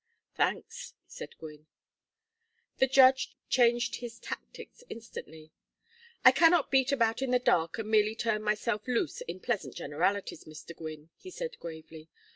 "Thanks," said Gwynne. The judge changed his tactics instantly. "I cannot beat about in the dark and merely turn myself loose in pleasant generalities, Mr. Gwynne," he said, gravely.